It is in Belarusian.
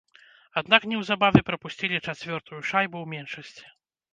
Аднак неўзабаве прапусцілі чацвёртую шайбу ў меншасці.